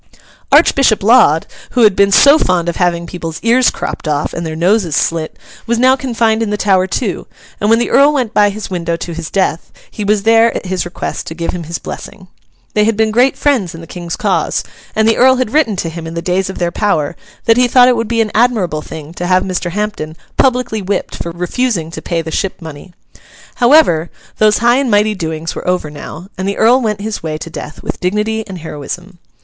Archbishop Laud, who had been so fond of having people's ears cropped off and their noses slit, was now confined in the Tower too; and when the Earl went by his window to his death, he was there, at his request, to give him his blessing. They had been great friends in the King's cause, and the Earl had written to him in the days of their power that he thought it would be an admirable thing to have Mr. Hampden publicly whipped for refusing to pay the ship money. However, those high and mighty doings were over now, and the Earl went his way to death with dignity and heroism.